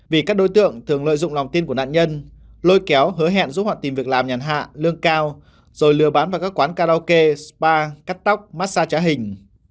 vì các đối tượng thường lợi dụng lòng tin của nạn nhân lôi kéo hứa hẹn giúp họ tìm việc làm nhàn hạ lương cao rồi lừa bán vào các quán karaoke spa cắt tóc massag trá hình